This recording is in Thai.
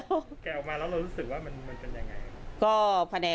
พอแกะออกมาแล้วเรารู้สึกว่ามันเป็นยังไง